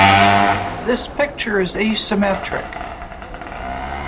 This picture is asymmetric.